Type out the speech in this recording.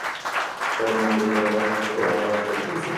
غرمه د عبادت او دعا وخت وي